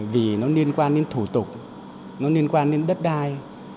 vì nó liên quan đến thủ tục nó liên quan đến đất đai